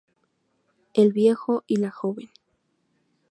El viejo y la joven.